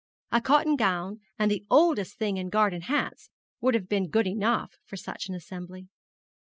A cotton gown, and the oldest thing in garden hats, would have been good enough for such an assembly.